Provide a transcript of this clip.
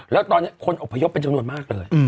แล้วตอนนี้คนอบพยพเป็นจำนวนมากเลย